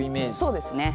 そうですね。